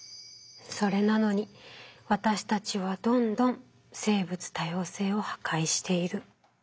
それなのに私たちはどんどん生物多様性を破壊している。